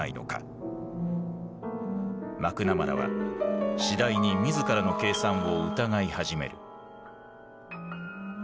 マクナマラは次第に自らの計算を疑い始める。